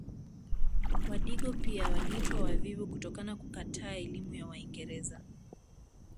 Wadigo pia waliitwa wavivu kutokana kukataa elimu ya waingereza